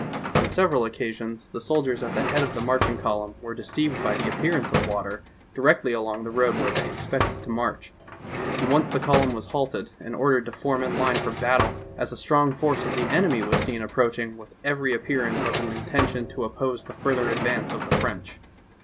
On several occasions the sol diers at the head of the marching column were deceived by the appearance of water directly along the road where they expected to march, and once the column was halted and ordered to form in line for battle as a strong force of the enemy was seen approaching with every appearance of an inten tion to oppose the further advance of the French.